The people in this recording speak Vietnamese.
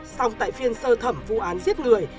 xong tại phiên sơ thẩm vụ án giết người